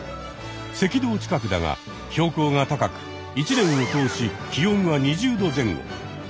赤道近くだが標高が高く一年を通し気温は２０℃前後。